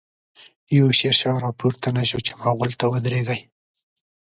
يو” شير شاه “راپورته نه شو، چی ” مغل” ته ودريږی